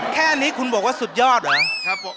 แค่นี้คุณบอกว่าสุดยอดเหรอ